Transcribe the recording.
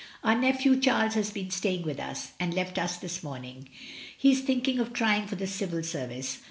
"Our nephew Charles has been sta5ring with us, and left us this morning. He is thinking of trying for the Civil Service.